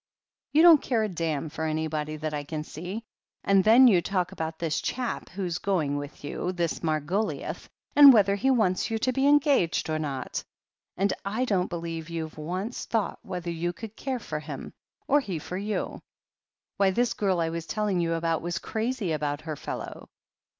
You don't care a damn for anybody that I can see. And then you talk about this chap who's going with you — this Margoliouth — ^and whether he wants you to be engaged or not. And I don't believe you've once thought whether you could care for him, or he for you. Why, this girl I was telling you about was crazy about her fellow.